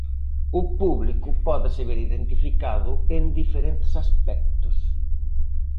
O público pódese ver identificado en diferentes aspectos.